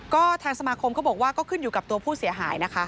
ก็ทางสมาคมเขาบอกว่าก็ขึ้นอยู่กับตัวผู้เสียหายนะคะ